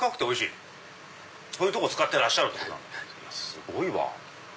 すごいわ。